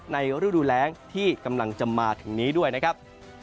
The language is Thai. ฤดูแรงที่กำลังจะมาถึงนี้ด้วยนะครับ